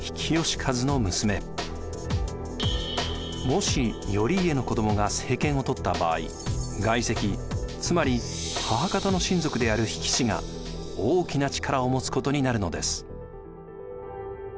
もし頼家の子どもが政権を取った場合外戚つまり母方の親族である比企氏が大きな力を持つことになるのです。